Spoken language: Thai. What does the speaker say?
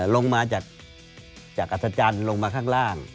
ลงมาจากอัศจรรย์ลงมาข้างล่าง